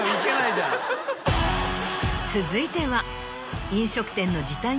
続いては。